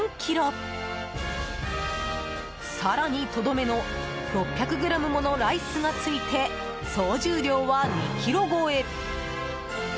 更に、とどめの６００ｇものライスがついて総重量は２ｋｇ超え！